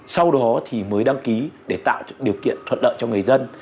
sau đó thì mới đăng ký để tạo điều kiện thuận lợi cho người dân